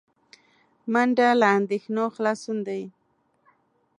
منډه له اندېښنو خلاصون دی